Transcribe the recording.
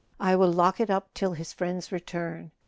I will lock it up till his friend's return.